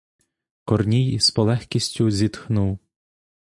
Корній з полегкістю зітхнув.